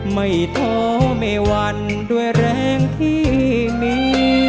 ไม่ท้อไม่วันด้วยแรงที่มี